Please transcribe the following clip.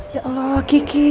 ya allah kiki